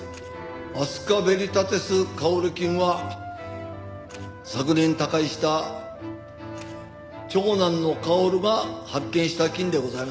アスカベリタティスカオル菌は昨年他界した長男の薫が発見した菌でございます。